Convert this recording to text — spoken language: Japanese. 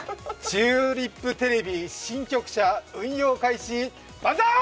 チューリップテレビ、新局舎運用開始バンザイ！